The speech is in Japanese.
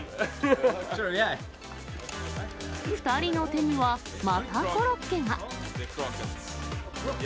２人の手には、またコロッケが。